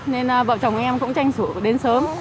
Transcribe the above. nên bọn chồng em cũng tranh thủ đến sớm